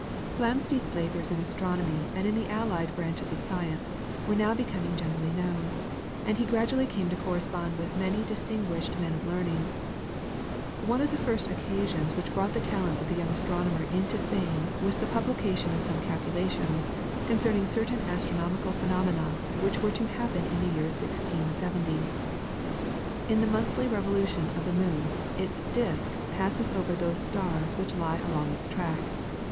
[PLATE: FLAMSTEED.] Flamsteed's labours in astronomy and in the allied branches of science were now becoming generally known, and he gradually came to correspond with many distinguished men of learning. One of the first occasions which brought the talents of the young astronomer into fame was the publication of some calculations concerning certain astronomical phenomena which were to happen in the year 1670. In the monthly revolution of the moon its disc passes over those stars which lie along its track.